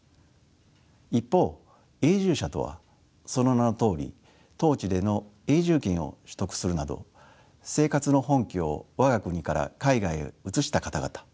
一方永住者とはその名のとおり当地での永住権を取得するなど生活の本拠を我が国から海外へ移した方々とされています。